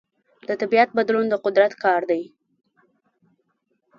د طبیعت بدلون د قدرت کار دی.